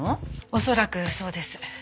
恐らくそうです。